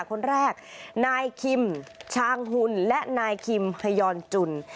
คนแรกนายคิมชางหุ่นและนายคิมฮยอนจุน